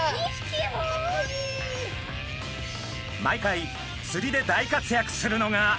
毎回釣りで大活躍するのが。